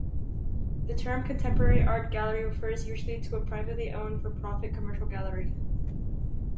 The term contemporary art gallery refers usually to a privately owned for-profit commercial gallery.